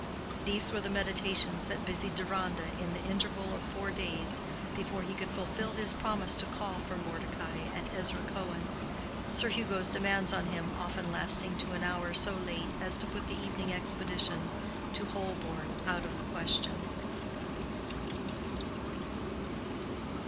These were the meditations that busied Deronda in the interval of four days before he could fulfill his promise to call for Mordecai at Ezra Cohen's, Sir Hugo's demands on him often lasting to an hour so late as to put the evening expedition to Holborn out of the question.